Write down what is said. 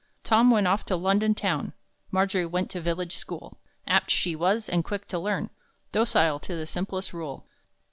Tom went off to London town; Margery went to village school; Apt she was, and quick to learn, Docile to the simplest rule.